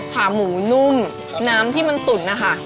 ขาหมูนุ่มน้ำที่มันตุ๋นนะคะ